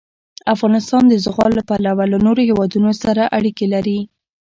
افغانستان د زغال له پلوه له نورو هېوادونو سره اړیکې لري.